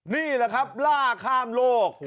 นี่แหละครับล่าข้ามโลก